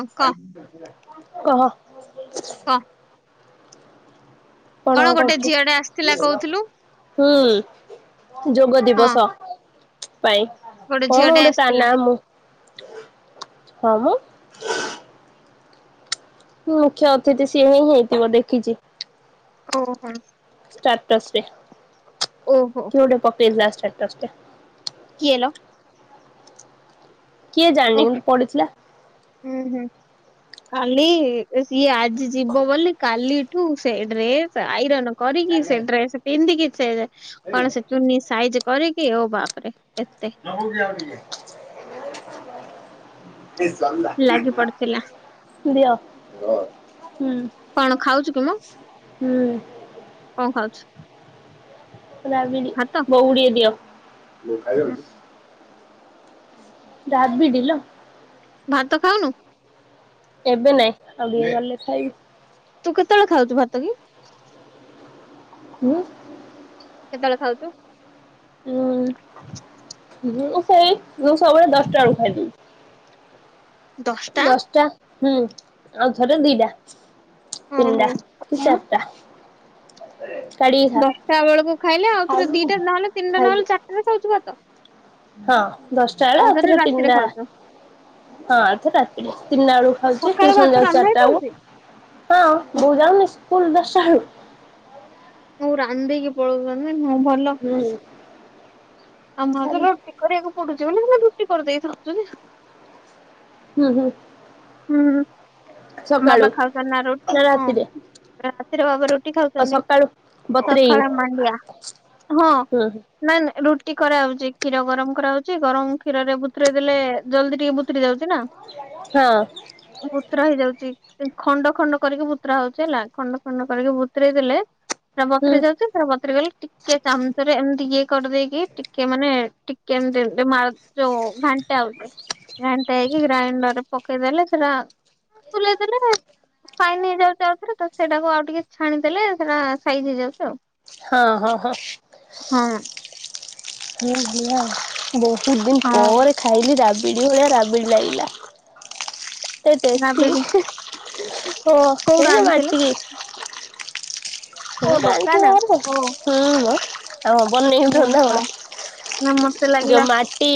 କ କହ? ଆ। କଣ ଆଉ କରଚୁ? ଝିଅଟେ ଆସିଥିଲା କହୁଥିଲୁ ହୁଁ ଯୋଗ ହଁ ଦିବସ ପାଇଁ। କଣ ଝିଅଟେ ଗୋଟେ ତା ଆସିଥିଲା। ନାଁ ମୁଁ ହଁ ମ। ହୁଁ ମୁଖ୍ୟ ଅତିଥି ସିଏ ହିଁ ହେଇଥିବ ଦେଖିଛି। [unintelligible] ଷ୍ଟାର୍ଟର୍ସ ରେ ଓହୋ କିଏ ଗୋଟେ ପକେଇିଥିଲା ଷ୍ଟାର୍ଟର୍ସ ଟେ? କିଏ ଲୋ? କିଏ ଓ ଜାଣିନି କିନ୍ତୁ ପଢିଥିଲା। ହୁଁ ହୁଁ। କାଲି ସିଏ ଆଜି ଯିବ ବୋଲି କାଲିଠୁ ସେ ଡ୍ରେସ୍ ଆଇରନ୍ କରିକି, ସେ ଦିଅ। ଡ୍ରେସ ପିନ୍ଧିକି, ସେ କଣ ସେ ହୁଁ ଚୁର୍ନି ସାଇଜ କରିକି ଓ ବାପରେ ଏତେ। [unintelligible] ଲାଗି ପଡିଥିଲା [unintelligible] ଦିଅ ହୁଁ। କଣ ଖାଉଛୁ କି ମ ହୁଁ। କଣ ଖାଉଛୁ? ରାବିଡି଼ ଭାତ? ବୋଉ କୁ ଟିକେ ଦିଅ, ବୋଉ ଖାଇବ କି? ରାବିଡ଼ିି ଲୋ। ଭାତ ଖାଉନୁ? ଏବେ ନାଇଁ ଆଉ ଟିକେ ଗଲେ ଖାଇବି। ତୁ କେତେବେଳେ ଖାଉଚୁ ଭାତ କି? ଉଁ। କେତେବେଳେ ଖାଉଚୁ? ଉଁ ମୁଁ ସେଇ ମୁଁ ସବୁବେଳେ ଦଶଟାବଳକୁ ଖାଇଦଉଚି। ଦଶଟା ହୁଁ ଆଉ ଥରେ ଦିଟା, ଓହୋ ତିନିଟା। ଚାରଟା। ସାଡ଼ି ଦଶଟା ବେଳକୁ ଖାଇଲେ ଆଉ ଥରେ ଦିଟା ନହେଲେ ତିନିଟା ଖାଇଲି ନହେଲେ ଚାରିଟାରେ ଖାଉଚୁ ଭାତ। ହଁ ଦଶଟା ବେଳେ ଆଉ ଥରେ ତିନିଟା। ହଁ ଆଉ ଥରେ ଆସିବ, ତିନଟା ବେଳକୁ ଖାଉଛି ସକାଳେ ଟିଉସନ ଭାତ ଯାଉଚି ରାନ୍ଧା ଚାରିଟା ହେଇଥାଉଛି। ବେଳକୁ। ହଁ ବୋଉ ଯାଉନି ସ୍କୁଲ ଦଶଟାଳୁ। ବୋଉ ରାନ୍ଧ ଦେଇକି ପଳଉଛନ୍ତି ହୁଁ ଭଲ। ହୁଁ। ଆମର ତ ସାରିକି ରୁଟି କରିବାକୁ ପଡୁଛି ବୋଲି ସେ ରୁଟି କରିଦେଇ ଥାଉଛନ୍ତି। ହୁଁ ହୁଁ। ହୁଁ ହୁଁ। ବାବା ସକାଳୁ ଖାଉଛନ୍ତି ନା ରୋଟି? ହଁ ରାତିର ବାବା ରୋଟି ଆଉ ଖାଉଛନ୍ତି। ସକାଳୁ ବତୁରେଇ ସକାଳେ ମାଣ୍ଡିଆ ହଁ। ହୁଁ ହୁଁ ନାଇଁ ନା ରୁଟି କରାହଉଛି, କ୍ଷୀର ଗରମ କରାହଉଛି ଗରମ କ୍ଷୀରରେ ବଥୁରାଇ ଦେଲେ ଜଲ୍ଦି ଟିକେ ବୁଥୁରି ଯାଉଛି ନା। ହଁ। ପୁତୁରା ହେଇଯାଉଛି। ଖଣ୍ଡ ଖଣ୍ଡ କରିକି ବୁତୁରା ହଉଛି ହେଲା। ଖଣ୍ଡ ଖଣ୍ଡ କରିକି ବୁତୁରେଇ ଦେଲେ ହେରା ହୁଁ ବତୁରି ଯାଉଛି। ସେରା ବତୁରି ଗଲେ, ଟିକେ ଚାମଚରେ ଏମିତି ଇଏ କରିଦେଇକି, ଟିକେ ମାନେ ଟିକେ, ଏମତି ଏମତି ମାଡ୍ ଯୋଉ ଘାଣ୍ଟା ଗୋଟେ ଘାଣ୍ଟା ହେଇକି, ଗ୍ରାଇଣ୍ଡରରେ ପକେଇଦେଲେ ସେରା ବୁଲେଇ ଦେଲେ-ଏ ଫାଇନ୍ ହେଇଯାଉଛି ଆଉଥରେ, ତ ସେଇଟାକୁ ଆଉ ଟିକେ ଛାଣିଦଲେ ସେଟା ସାଇଜ୍ ହେଇଯାଉଛି ଆଉ। ହଁ ହଁ ହଁ। ହଁ। ହୁଁ, ଭଲ ଆଉ, ବହୁତ ଦିନ ହଁ ପରେ ଖାଇଲି ରାବିଡ଼ି ଭଳିଆ, ରାବିଡ଼ି ଲାଗିଲା। ଏତେ ରାବିଡି ଟେଷ୍ଟି! ହଁ, କୋଉଠୁ ହେଇନା ଆଣିଥିଲେ ବାଟିକି କି କଣ ଓ ଟେ ଦୋକାନ ଆଣିଥିବାହାରି ଓ ରେ ହଁ, ବନେଇ ଓ ହୋ ନା ମତେ [unintelligible] ଯଉ ଲାଗିଲା ମାଟି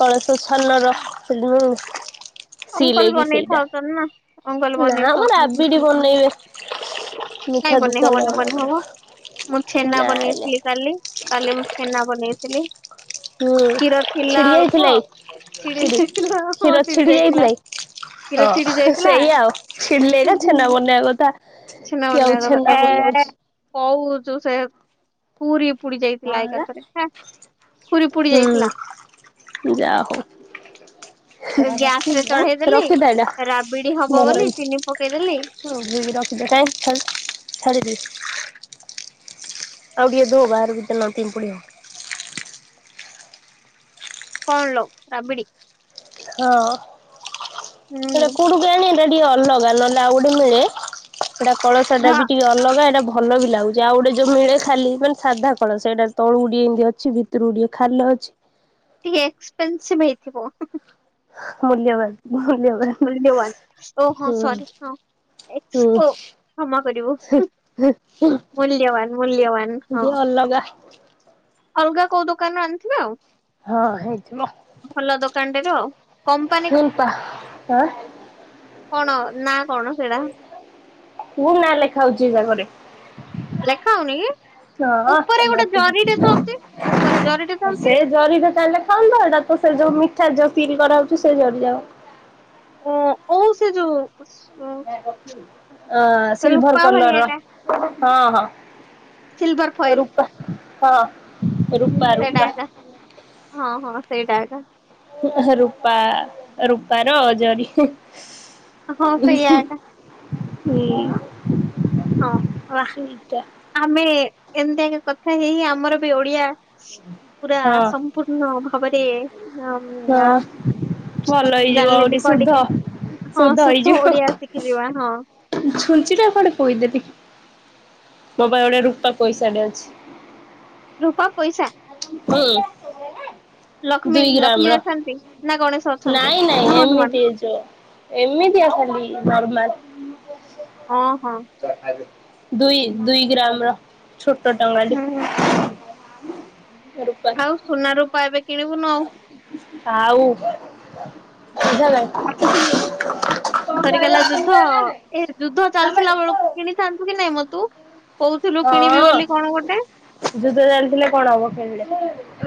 କଳସ ସନର [unintelligible] ଅଙ୍କଲ୍ ବନେଇଥାଉଛନ୍ ନା। ଅଙ୍କଲ ନା ବନେଇ ମଁ ଥାଉଛନ୍ତି। ରାବିଡି ବନେଇବେ? କାଇଁ ମିଠା ଦୋକାନ ବନେଇହବନି? ମାନଙ୍କରେ ବନେଇହବ ମୁଁ ଛେନା ନାଇଁ ନାଇଁ ବନେଇଥିଲି କାଲି। କାଲି ମୁଁ ଛେନା ବନେଇଥିଲି। ହୁଁ କ୍ଷୀର ଥିଲା ଛିଡି ଯାଇଥିଲା ଅଳ୍ପ ଏଇ ଛିଡି କ୍ଷୀରି ଯାଇଥିଲା ହଁ, କ୍ଷୀର ଛିଡି ଯାଇଥିଲା। କି କ୍ଷୀର ଛିଡ଼ି ହଁ ଯାଇଥିଲା। ସେଇଆ ଆଉ ଛିଡିଲେ ଏକା ହୁଁ ହୁଁ। ଛେନା ବନେଇବା କଥା କିଏ ଆଉ ଛିନଉନି ତତେ ଛେନା ଏଁ-ଏଁ -ଏ ବନଉଛି କହୁଛୁ, ସେ ପୁରୀ ଉପୁଡି ଯାଇଥିଲା ଏକାଥରେ, ହେଁ, ପୁରୀ ପୁଡି ଯାଇଥିଲା। ହୁଁ ଯା, ହୋଉ। ହିଁ, ଗ୍ୟାସ ରେ ଚଢେଇଦେଲି ରଖିଥା ଏଇଟା, ରାବିଡି ହବ ଭଲ ବୋଲି ଚିନି ପକେଇଦେଲି ହେଇଚି। [unintelligible] କାଇଁ ଛା-ଛାଡ଼ିଦେ। ଆଉ ଟିକେ ଧୋ, ବାହରକୁ ଚାଲ ନହେଲେ ପିମ୍ପୁଡ଼ି ହବ। କଣ ଲୋ ରାବିଡ଼ି! ହଁ, ହେଟା ହୁଁ କୋଉଠୁ କେୟାଣି? ଟା ଟିକେ ଅଲଗା ନହେଲେ, ଆଉ ଗୋଟେ ମିଳେ, ସେଇଟା କଳସ ଟା ହଁ ବି ଟିକେ ଅଲଗା। ଏଟା ବ ଭଲ ବି ଲାଗୁଛି। ଆଉ ଗୋଟେ ଯୋଉ ମିଳେ ଖାଲି, ମାନେ ସାଧା କଳସ ସେଇଟା ତଳୁକୁ ଟିଏ ଏମିତି ଅଛି, ଭିତରୁକୁ ଟିକେ ଖାଲ ଅଛି। ଟିକେ ଏକ୍ସପେନସିଭ୍ ହେଇଥିବ। ମୂଲ୍ୟବାନ୍, ମୂଲ୍ୟହବାନ୍। ମୂଲ୍ୟବାନ ଓ ହଁ, ସରି ହଁ ହୁଁ। ଓ କ୍ଷମା କରିବୁ ହୁଁ, ହୁଁ, ମୂଲ୍ୟବାନ ମୂଲ୍ୟବାନ ହୁଁ ହଁ ଦିଅ ଅଲଗା। ଅଲଗା କୋଉ ଦୋକାନରୁ ଆଣିଥିବେ ଆଉ। ହଁ ହେଇଥିବ ଭଲ ଦୋକାନଟା ରୁ ଆଉ। କମ୍ପାନୀ କ ହେମ୍ପା। ଆଁ। କଣ ନା କଣ ସେଇଡା? ମୁଁ ନାଁ ଲେଖା ହଉଛି ବାଗରେ। ଲେଖା ହଉନି କି? ହଁ ଉପରେ ଗୋଟେ ମାଟି କ ଜରିଟେ ଥାଉଛି। ଉପରେ ଜରିଟେ ସେ ଥାଉଛି। ଜରିରେ ତା, ହେଲେ ଥାନ୍ତା। ଏଇଟା ତ ସେ ଯୋଉ ମିଠା ଯୋଉ ସିଲ୍ କରାହଉଛି, ସେଇ ଜରିଯାକ। ଓଃ, ଓ ସେ ଯୋଉ ଅ ସିଲ୍ଭର ରୂପା କଲର୍ ଭଳିଆ ର। ଟା ହଁ, ହଁ, ସିଲଭର ଫଏଲ ରୁପା ହଁ। ରୂପା ସେଇଟା ରୂପା ଏଟା। ହଁ ହଁ ସେଇଟା ଏଟା। ରୂପା ରୂପାର ଜରି। ହଁ ସେଇଆ ଏକା ହୁଁ। ହଁ ସେଇଟା ଆମେ ଏମିତି ଆଗେ କଥା ହେଇ ହେଇ ଆମର ବି ଓଡିଆ ପୁରା ହଁ ସମ୍ପୂର୍ଣ୍ଣ ଭାବରେ ହଁ ଭଲ ହେଇଯିବ ଆହୁରି [unintelligible] ଶୁଦ୍ଧ। ଟିକେ ହଁ ଶୁଦ୍ଧ ଓଡ଼ିଆ ଶିଖିଯିବା ହଁ। ଛୁଞ୍ଚିଟା କୁଆଡ଼େ? [unintelligible] ମୋ ପାଖରେ ଗୋଟେ ରୂପା ପଇସାଟେ ଅଛି। ରୂପା ପଇସା? [unintelligible] ଦୁଇ ଗ୍ରାମ ଲକ୍ଷ୍ମୀ-ଲକ୍ଷ୍ମୀ ର। ଅଛନ୍ତି ନା ଗଣେଶ? ଅଛନ୍ତି ନାଇଁ ନାଇଁ ନା ହନୁମାନ? ଏମିତି ଏ ଯୋ ଏମିତି ଅଛନ୍ତି ନର୍ମାଲ୍। ହଁ ହଁ। ଦୁଇ-ଦୁଇ ଗ୍ରାମ ର ଛୋଟ ଟଙ୍କା ଟେ। ହୁଁ ହୁଁ। ରୂପାର। ସୁନ ରୂପା ଏବେ କିଣିବୁନୁ ଆଉ? ଆଉ ହୁଁ। ଆସୁଥିଲୁ [unintelligible] ସରିଗଲା ଯୁଦ୍ଧ ଏ ଯୁଦ୍ଧ ଚାଲିଥିଲା ବେଳକୁ କିଣିଥାନ୍ତୁ କି ନାଇଁ ମ ତୁ? କହୁଥିଲୁ କିଣିବି ହଁ ବୋଲି କଣ ଗୋଟେ। ଯୁଦ୍ଧ ଚାଲିଥିଲେ କଣ ହବ କିଣିଲେ?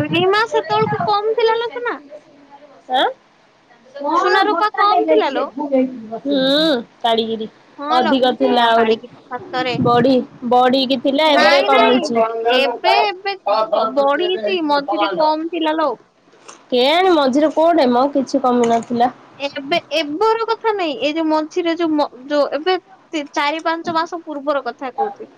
ଏଇ ମା ସେତେବେଳକୁ କମ ଥିଲା ଲୋ ସୁନା ଆଁ? ହୁଁ ସୁନା ରୂପା କମ ଥିଲା ଲୋ [unintelligible] ହଁ ଲୋ ଅଧିକ କଣ ଥିଲା ଆହୁରି କାଢିକିରି ସତରେ ବଢି। ବଢିକି ଥିଲା ଏବେ ନାଇଁ ନାଇଁ କମିଛି। ଏବେ ଏବେ କ ବଢିଛି ମଝିରେ କମ ଥିଲା ଲୋ। କେଇଆଣି ମଝିରେ କୋଉଠି ମ କିଛି କମି ନଥିଲା। ଏବେ ଏବେର କଥା ନାଇଁ ଏଇ ଯୋଉ ମଝିରେ ଯୋଉ ଯୋଉ ଏବେ ସେ ଚାରି ପାଞ୍ଚ ମାସ ପୂର୍ବର କଥା କହୁଛି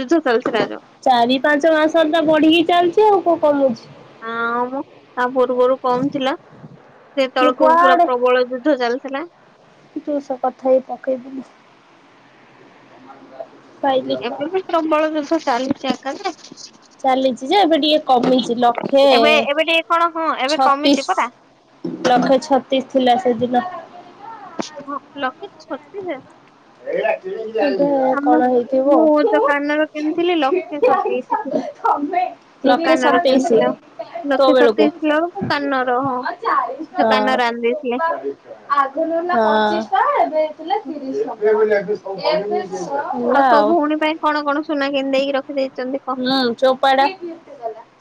ଯୁଦ୍ଧ ଚାଲିଥିଲା ଯଉ। ଚାରି-ପାଞ୍ଚ ମାସ ରେ ତ ବଢିକି ଚାଲିଛି ଆଉ କଉ କମୁଛି। ହଁ ମ ତା ପୂର୍ବରୁ କମ ଥିଲା। ମୁଁ ସେତେବେଳକୁ ପୁରା କୁଆଡେ ପ୍ରବଳ ଯୁଦ୍ଧ ଚାଲିଥିଲା। [inaudible] [inaudible] ଏବେ ବି ପ୍ରବଳ ଯୁଦ୍ଧ ଚାଲୁଛି ଆକାଶରେ। ଚାଲିଛି ଯେ ଏବେ ଟିକେ କମିଛି, ଲକ୍ଷେ ଏବେ ଏବେ ଟିକେ କଣ ହଁ ଏବେ କମିଛି ପରା ଛତିଶ। ଲକ୍ଷେ ଛତିଶ ଥିଲା ସେଦିନ। ହଁ ଲକ୍ଷେ ଛତିଶ? ଏବେ ଆମ କଣ ହେଇଥିବ ମୁଁ ଆଉ। ଯଉ କାନ ର କିଣିଥିଲି ଲକ୍ଷେ ସତେଇଶ। ଲକ୍ଷେ [unintelligible] ର ସତେଇଶି କିଣିଥିଲ। ତୋ ଲକ୍ଷେ ବେଳକୁ। ସତେଇଶ ଥିଲା ବେଳକୁ କାନର ହଁ ଯଉ କାନ ର ଆଣି ଦେଇଥିଲେ। ହଁ। [inaudible] ଆଉ ତୋ ଭଉଣୀ ପାଇଁ କଣ କଣ ସୁନା କିଣି ଦେଇକି ରଖି ଦେଇଛନ୍ତି କହ ହୁଁ ଚୋପା ଟା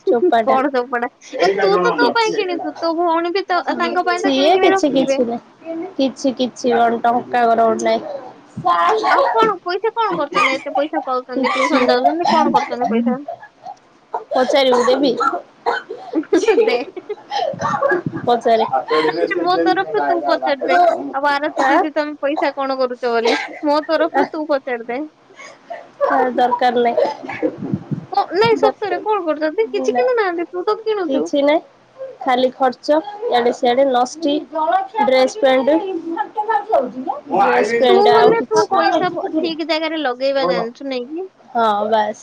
ଚୋପାଟା। କଣ ସବୁ ପଡା ଏ ତୁ ତ ତୋ ପାଇଁ କିଣିଛୁ ତୋ ଭଉଣୀ ବି ତ ତାଙ୍କ ପାଇଁ ତ କିଣି ସିଏ କିଣି କିଛି ରଖିଥିବେ। କିଛି ନାଇଁ କିଛି କିଛି କଣ ଟଙ୍କା କର ଗୋଟେ ଆଉ ନାହିଁ। କଣ ପଇସା କଣ କରୁଛନ୍ତି ଏତେ ପଇସା ପାଉଛନ୍ତି ଟିଉସନ ଯାଉଛନ୍ତି [unintelligible] [unintelligible] ପଚାରିବୁ ଦେବି। [unintelligible] ପଚାରେ। ଆଁ ମୋ ତରଫରୁ ତୁ ପଚାରୀ ଦେ। ଆଉ ଆରତି ଦିଦି ତମେ ପଇସା କଣ କରୁଚ ବୋଲି ମୋ ତରଫରୁ ତୁ ପଚାରିଦେ। ଥାଉ ଦରକାର ନାହିଁ। [inaudible] ହଁ ନାଇଁ ସତରେ ଦରକାର କଣ କରୁଛନ୍ତି କିଛି ନା କିଣୁ ନାହାନ୍ତି ତୁ ତ କିଣୁଚୁ। କିଛି ନାହିଁ। ଖାଲି ଖର୍ଚ୍ଚ ୟାଡେ ସ୍ୟାଡେ ଲଷ୍ଟଟି ଡ୍ରେସ୍ ପ୍ୟାଣ୍ଟ୍। ଡ୍ରେସ ତୁ ପେଣ୍ଟେ ଆଉ ବୋଲେ କିଛି ତୁ ପଇସା [unintelligible] ଠିକ ଜାଗାରେ ଲଗେଇବା ଜାଣିଛୁ ନାଇଁକି ହଁ ବାସ୍।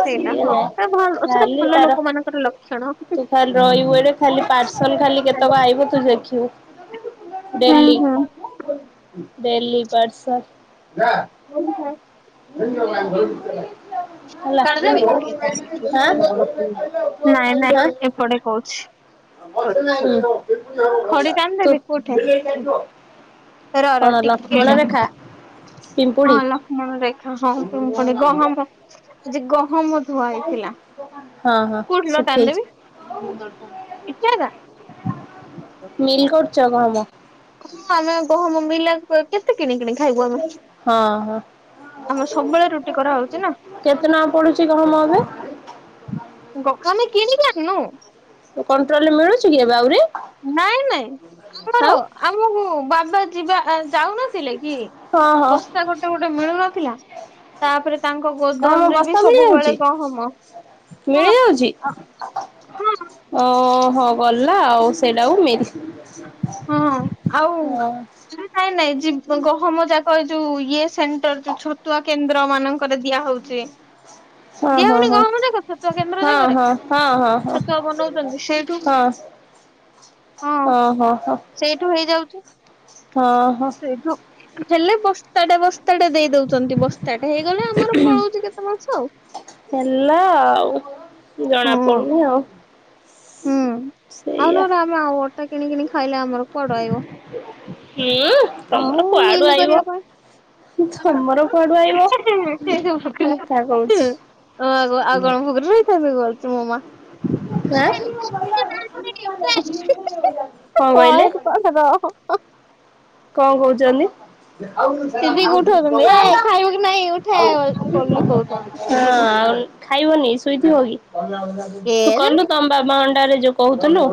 ସେଇଟା ହଁ ସେଟା ଭଲ ସେଟା ଖାଲି ଭଲ ତାର ଲୋକ ମାନଙ୍କର ଲକ୍ଷଣ ଖାଲି ରହିବୁ ଏଇଠେ ଖାଲି ପାର୍ସଲ ଖାଲି କେତକ ଆଇ [unintelligible] ଦେଖିବୁ ହୁଁ ଡେଲି। ଡେଲ୍ଲୀ ପାର୍ସଲ। [unintelligible] [unintelligible] କାଢିଦେବି ହେଲା ନାଇଁ ନାଇଁ ଆଁ ଏପଟେ କହୁଛି ଆଁ। ହୁଁ ଖଡି ତୁ ରହ ରହ କଣ ଟିକେ ଲକ୍ଷ୍ମଣ ରହ। ରେଖା ହଁ ପିମ୍ପୁଡି ଲକ୍ଷ୍ମଣ ରେଖା ହଁ ପୁ ପୁଣି ଗହମ ଆଜି ଗହମ ଧୁଆ ହେଇଥିଲା ହଁ କୋଉଠି ଲୋ ଶୁଖେଇଛି ଟାଣିଦେବି ମିଲ କରୁଚ ଗହମ। ହଁ ଆମେ ଗହମ ମିଲା କ କେତେ କିଣି କିଣି ଖାଇବୁ ଆମେ ହଁ ହଁ ଆମର ସବୁବୋଳେ ରୁଟି କରାହୋଉଚି ନା। କେତେ ଟଙ୍କା ପଡୁଚି ଗହମ ଏବେ। ଗହ ଆମେ କିଣିକି ଆଣୁନୁ। ଉଁ କଣ୍ଟ୍ରୋଲ ରେ ମିଳୁଚି କି ଏବେ ଆହୁରି। ନାଇଁ ନାଇଁ ଆଉ ଆମର ଆମୁକୁ ବାବା ଯିବା ଆ ଯାଉନା ଥିଲେ କି ହଁ ହଁ ବସ୍ତା ଗୋଟେ ଗୋଟେ ମିଳୁନଥୁଲା। ତାପରେ ତାଙ୍କ ଗହମ ଗୋଦାମ ରେ ବି ବସ୍ତା ମିଳିଯାଉଛି ସବୁବୋଳେ ଗହମ। ହଁ ମିଳିଯାଉଛି। ହଁ ଓହୋ ଗଲା ଆଉ ସେଇଡ଼ାକୁ [unintelligible] ହଁ ଆଉ [unintelligible] ନାଇଁ ନାଇଁ ଯି ଗହମ ଯାକ ଯୋଉ ଇଏ ସେଣ୍ଟର ଯୋଉ ଛତୁଆ କେନ୍ଦ୍ର ମାନଙ୍କରେ ଦିଆ ହୋଉଛି। [inaudible] ହଁ ହଁ ଛତୁଆ କେନ୍ଦ୍ର ହଁ ଜାଗାରେ ହଁ ହଁ ଛତୁଆ ହଁ ବନଉଛନ୍ତି ସେଇଠୁ ହଁ ହଁ ହଁ। ହଁ ଓହୋ ହୋ। ସେଇଠୁ ହେଇଯାଉଚି। ହଁ ହଁ। ଏଠୁ ହେଲେ ବସ୍ତାଟେ ବସ୍ତାଟେ ଦେଇ ଦୋଉଚନ୍ତି ବସ୍ତାଟେ ହେଇଗଲେ ଆମର ପଳୋଉଚି କେତେ ମାସ ଆଉ। ହେଲା ଆଉ ହଁ ଜଣାପଡୁନି ଆଉ। ହୁଁ ସେଇଆ। [unintelligible] ଆଉ ଅଟା କିଣିକିନି ଖାଇଲେ ଆମର କୁଆଡ ଆଇବ। ହୁଁ ତମର ଆଉ କୁଆଡୁ ମିଲ୍ ଆଇବ କରିବା ପାଇଁ। ତମର କୁଆଡୁ ଆଇବ କଥା କହୁଛି। [inaudible] ଆଁ [unintelligible] କଣ କହିଲେ? [unintelligible] କଣ କହୁଚନ୍ତି? ସିଧିକି ହଁ ଉଠଉଛନ୍ତି ଏ ଖାଇବୁ କି ନାଇଁ ଉଠା ଆଉ କଲି କହୁଛନ୍ତି ସିଧିକୁ। ଖାଇବନି ଶୋଇଥିବ କି? ତୁ କେଜାଣି କଲୁ ତମ ବାବା ଅଣ୍ଡାରେ ଯୋଉ କହୁଥିଲୁ?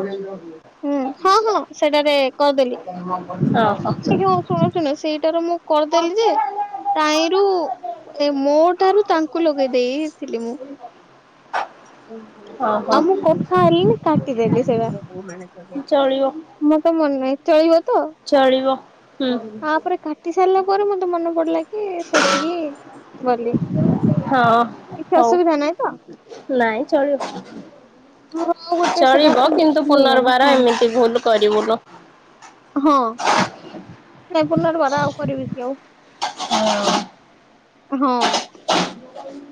ହୁଁ ହଁ ହଁ ସେଟାରେ କରିଦେଲି। ଓହୋ ସେ ଯୋଉ ଶୁଣୁଚୁନା ସେଇଟାରୁ ମୁଁ କରିଦେଲି ଯେ ଟାଇଁ ରୁ ଏ ମୋ ଠାରୁ ତାଙ୍କୁ ଲଗେଇ ଦେଇଥିଲି ମୁଁ। ଓହୋ ଆଉ ମୁଁ କଥା ହେଲିନି କାଟିଦେଲି ସେଟା। ଚଳିବ ମୋର ତ ମନେ ନାହିଁ ଚଳିବ ତ? ଚଳିବ ହୁଁ। ତାପରେ କାଟି ସାରିଲା ପରେ ମତେ ମନେ ପଡିଲା କି ସେତିକି ବୋଲି। ହଁ। କିଛି ହଉ। ଅସୁବିଧା ନାହିଁ ତ? ନାଇଁ ଚଳିବ। ମୋର ଆଉ ଗୋଟେ ସେଟା ଚଳିବ କିନ୍ତୁ କମ୍ପ୍ଲିଟ ହେଇଗଲା ପୁନର୍ବାର ହଁ ଏମିତି ଭୁଲ୍ କରିବୁନୁ। ହଁ ନାଇଁ ପୁନର୍ବାର ଆଉ କରିବି କି ଆଉ। [inaudible] ହଁ।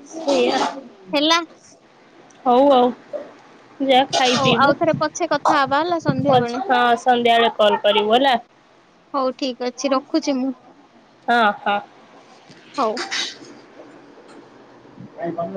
ସେୟା, ହେଲା। ହୋଉ ଆଉ। ଯା ଖାଇ ହଉ ଆଉ ପିଇବୁ ଥରେ ପଛେ କଥା ହବା ହେଲା ସନ୍ଧ୍ୟା ବେଳେ ପଛ-ହଁ ସନ୍ଧ୍ୟାବେଳେ କଲ କରିବୁ ହେଲା? ହୋଉ ଠିକ୍ ଅଛି। ରଖୁଛି ମୁଁ? ହଁ ହଁ। ହୋଉ। କାଇଁ ତମେ